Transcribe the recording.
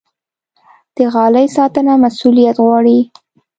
د غالۍ ساتنه مسوولیت غواړي.